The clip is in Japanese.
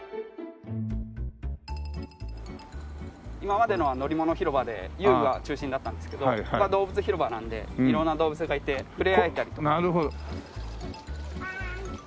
今までのはのりもの広場で遊具が中心だったんですけどここはどうぶつ広場なんで色んな動物がいて触れ合えたりとか。